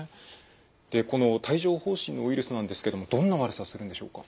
でこの帯状ほう疹のウイルスなんですけどもどんな悪さするんでしょうか？